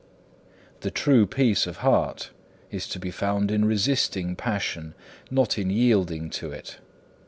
For true peace of heart is to be found in resisting passion, not in yielding to it.